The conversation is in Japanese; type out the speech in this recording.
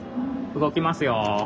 動きますよ。